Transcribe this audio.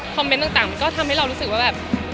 เมนต์ต่างมันก็ทำให้เรารู้สึกว่าแบบ